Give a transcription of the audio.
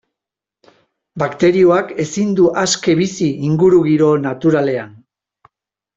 Bakterioak ezin du aske bizi ingurugiro naturalean.